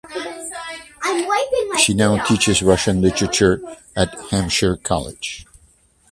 She now teaches Russian literature at Hampshire College.